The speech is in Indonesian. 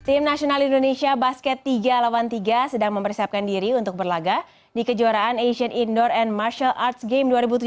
tim nasional indonesia basket tiga lawan tiga sedang mempersiapkan diri untuk berlaga di kejuaraan asian indoor and martial arts game dua ribu tujuh belas